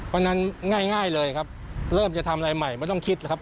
เพราะฉะนั้นง่ายเลยครับเริ่มจะทำอะไรใหม่ไม่ต้องคิดหรอกครับ